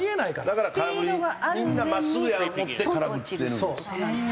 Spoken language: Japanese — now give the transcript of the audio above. だから空振りみんな真っすぐや思って空振ってるんです。